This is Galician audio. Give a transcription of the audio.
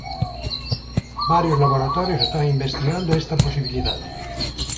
Varios laboratorios están investigando esta posibilidade.